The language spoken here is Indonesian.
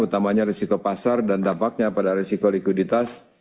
utamanya risiko pasar dan dampaknya pada resiko likuiditas